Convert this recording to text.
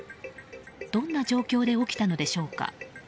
どんな状況で起きたのでしょうか。